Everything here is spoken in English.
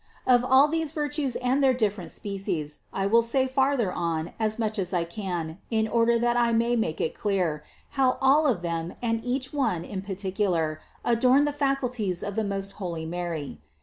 Of all these virtues and their different species I will say farther on as much as I can in order that I may make clear, how all of them and each one in particular adorned the faculties of the most holy Mary.